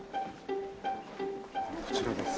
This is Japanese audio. こちらです。